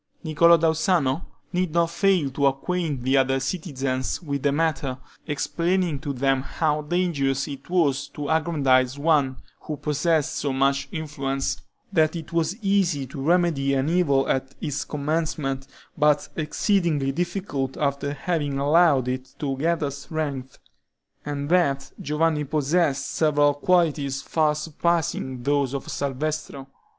Niccolo da Uzzano did not fail to acquaint the other citizens with the matter, explaining to them how dangerous it was to aggrandize one who possessed so much influence; that it was easy to remedy an evil at its commencement, but exceedingly difficult after having allowed it to gather strength; and that Giovanni possessed several qualities far surpassing those of Salvestro.